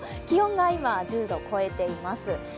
気温が今、１０度を超えています。